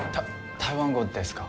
台湾語ですか？